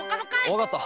わかった！